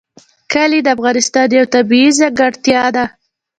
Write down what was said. کلي د افغانستان یوه طبیعي ځانګړتیا ده.